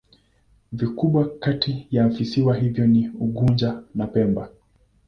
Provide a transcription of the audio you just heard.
Vikubwa kati ya visiwa hivyo ni Unguja na Pemba.